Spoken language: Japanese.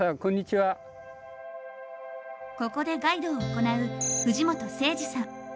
ここでガイドを行う藤本誠司さん。